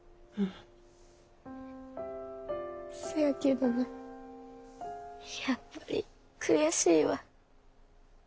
せやけどなやっぱり悔しいわ。